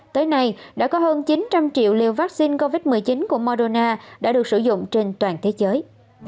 tới nay đã có hơn chín trăm linh triệu liều vaccine covid một mươi chín của moderna đã được sử dụng trên toàn thế giới